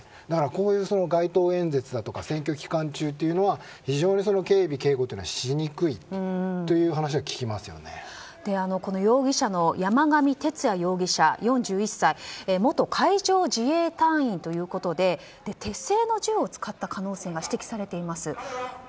こういう街頭演説だとか選挙期間中というのは非常に警備警護はしにくいという話は容疑者の山上徹也容疑者、４１歳ですが元海上自衛隊員ということで手製の銃を使った可能性が指摘されています。